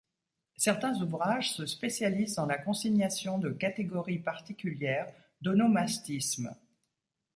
Certains ouvrages se spécialisent dans la consignation de catégories particulières d'onomastismes.